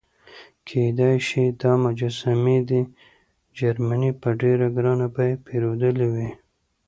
کېدای شي دا مجسمې دې جرمني په ډېره ګرانه بیه پیرودلې وي.